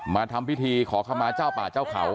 มาทำพิธีขอขมาเจ้าป่าเจ้าเขา